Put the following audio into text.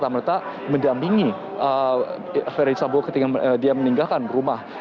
karena mereka tidak serta mendampingi verisampo ketika dia meninggalkan rumah